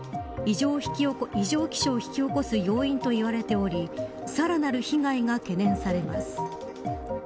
異常気象を引き起こす要因と言われておりさらなる被害が懸念されます。